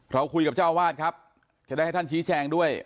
เราคุยกับเจ้าอาวาสครับจะได้ให้ท่านชี้แจงด้วย